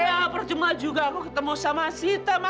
ya percuma juga aku ketemu sama sita ma